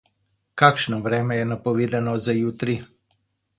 Kakšno vreme je napovedano za jutri?